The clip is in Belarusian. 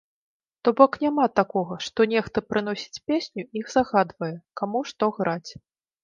То бок няма такога, што нехта прыносіць песню і загадвае, каму што граць.